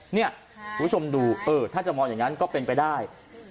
คุณผู้ชมดูถ้าจะมองอย่างนั้นก็เป็นไปได้